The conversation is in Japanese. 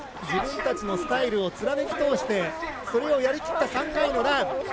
自分たちのスタイルを貫き通してそれをやりきった３回のラン。